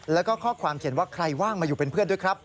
แล้วก็ข้อความเขียนว่าใครว่างมาอยู่เป็นเพื่อนด้วยครับ